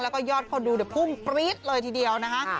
แล้วก็ยอดคนดูพุ่งปรี๊ดเลยทีเดียวนะคะ